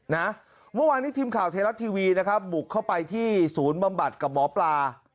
เมื่อวานนี้ทีมข่าวไทยรัฐทีวีนะครับบุกเข้าไปที่ศูนย์บำบัดกับหมอปลา